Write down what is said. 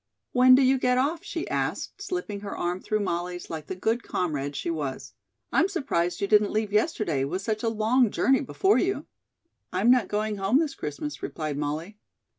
"When do you get off?" she asked, slipping her arm through Molly's like the good comrade she was. "I'm surprised you didn't leave yesterday, with such a long journey before you." "I'm not going home this Christmas," replied Molly.